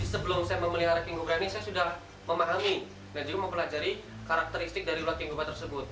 sebelum saya memelihara king cobra ini saya sudah memahami dan juga mempelajari karakteristik dari ular king cobra tersebut